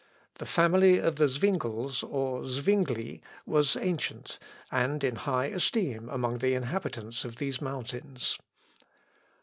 The family of the Zwingles, or Zwingli, was ancient, and in high esteem among the inhabitants of these mountains.